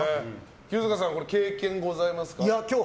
清塚さん、経験ございますか？